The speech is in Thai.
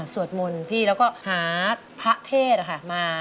สวดมนต์พี่แล้วก็หาพระเทศมา